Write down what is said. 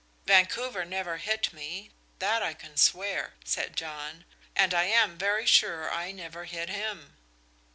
"Vancouver never hit me, that I can swear," said John, "and I am very sure I never hit him."